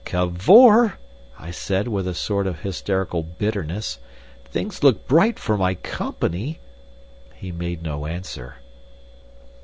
"Cavor," I said, with a sort of hysterical bitterness, "things look bright for my Company..." He made no answer.